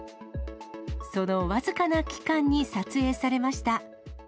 その僅かな期間に撮影されました。